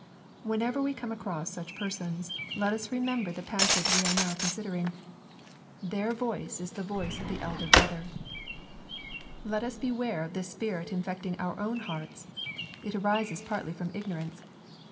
Whenever we come across such persons, let us remember the passage we are now coii LUKE, CHAP. XV. 191 Bidering. Theii voice is the voice of the " elder bro ther." Let us beware of this spirit infecting our own hearts It arises partly from ignorance.